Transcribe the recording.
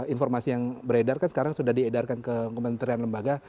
informasi yang beredar kan sekarang sudah diedarkan ke kementerian lembaga